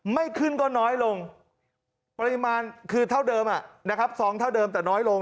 ไม่ขึ้นก็น้อยลงปริมาณคือเท่าเดิมนะครับซองเท่าเดิมแต่น้อยลง